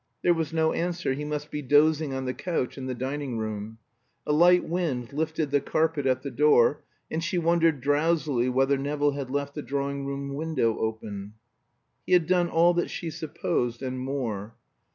There was no answer; he must be dozing on the couch in the dining room. A light wind lifted the carpet at the door, and she wondered drowsily whether Nevill had left the drawing room window open. He had done all that she supposed, and more.